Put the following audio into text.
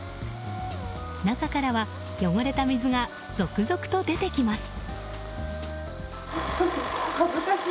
中からは汚れた水が続々と出てきます。